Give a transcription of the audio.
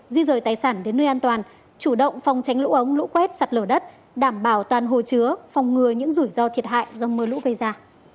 di rời tài sản đến nơi an toàn chủ động phòng tránh lũ ống lũ quét sạt lở đất đảm bảo toàn hồ chứa phòng ngừa những rủi ro thiệt hại do mưa lũ gây ra